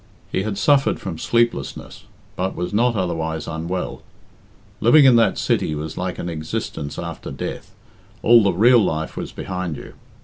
He had suffered from sleeplessness, but was not otherwise unwell. Living in that city was like an existence after death all the real life was behind you.